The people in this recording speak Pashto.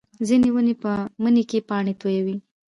ځینې ونې په مني کې پاڼې تویوي